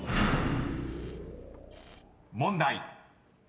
［問題］